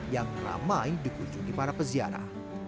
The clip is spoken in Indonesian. yang ramai dikunjungi para peziarah